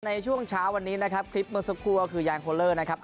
ในช่วงเช้าวันนี้นะครับคลิปเมื่อสักครู่ก็คือยางโคเลอร์นะครับ